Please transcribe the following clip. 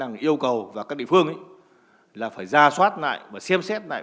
đang yêu cầu các địa phương là phải ra soát lại xem xét lại